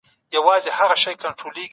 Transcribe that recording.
د خلګو د ذوق د ښکلا لپاره کار وکړئ.